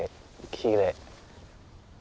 きれい。